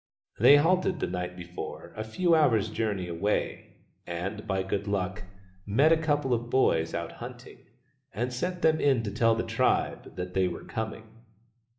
They halted the night before a few hours' journey away, and by good luck they met a couple of boys out hunting, and sent them in to tell the tribe that they were coming.